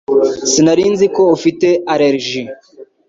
Sinari nzi ko ufite allergie